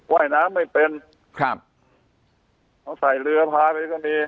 ว่ายน้ำไม่เป็นครับเอาใส่เรือพาไปก็มี